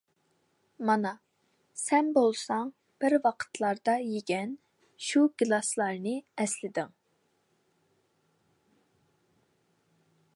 -مانا، سەن بولساڭ بىر ۋاقىتلاردا يېگەن شۇ گىلاسنى ئەسلىدىڭ.